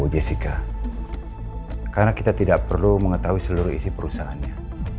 jessica karena kita tidak perlu mengetahui seluruh isi perusahaannya